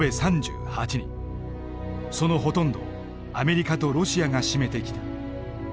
そのほとんどをアメリカとロシアが占めてきた。